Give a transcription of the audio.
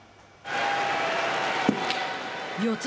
四つ